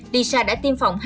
lisa đã tiêm phòng